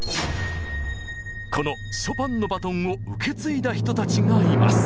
このショパンのバトンを受け継いだ人たちがいます。